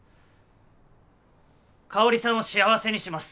香さんを幸せにします。